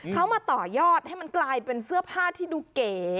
เขามาต่อยอดให้มันกลายเป็นเสื้อผ้าที่ดูเก๋